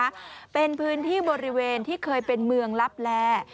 คุณผู้ชมคะเป็นพื้นที่บริเวณที่เคยเป็นเมืองรับแร่